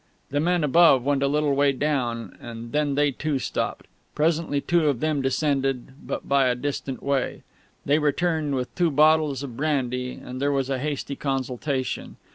The men above went a little way down, and then they too stopped. Presently two of them descended, but by a distant way. They returned, with two bottles of brandy, and there was a hasty consultation.